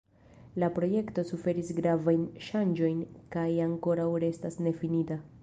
La projekto suferis gravajn ŝanĝojn kaj ankoraŭ restas nefinita.